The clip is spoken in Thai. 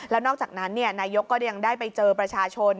แล้วนอกจากนั้นนายกก็ยังได้ไปเจอประชาชน